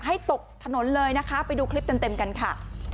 ให้ตบถนนเลยนะคะไปดูคลิปเต็มเต็มกันค่ะ